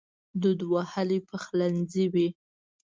دود وهلی پخلنځی وي